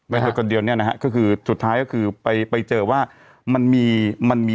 ไมโทรกันเดียเนี่ยนะฮะก็คือสุดท้ายก็คือไปเจอว่ามันมีการ